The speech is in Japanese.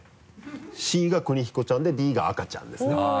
Ｃが邦彦ちゃんでＤが赤ちゃんですね。